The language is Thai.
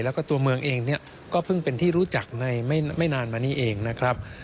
แล้วก็ตัวเมืองเองเนี่ยก็เพิ่งเป็นที่รู้จักในไม่นานมานี้เองนะครับ